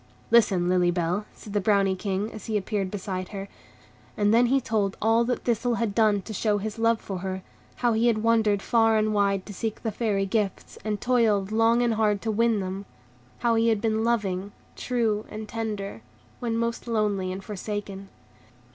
"Listen, Lily Bell," said the Brownie King, as he appeared beside her. And then he told all that Thistle had done to show his love for her; how he had wandered far and wide to seek the Fairy gifts, and toiled long and hard to win them; how he had been loving, true, and tender, when most lonely and forsaken.